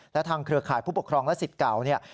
และทางเครือข่ายผู้ปกครองและสิทธิ์เก่าเนี่ย